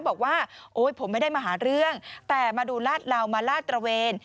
บอกว่าโอ๊ยผมไม่ได้มาหาเรื่องแต่มาดูลาดเหลามาลาดตระเวน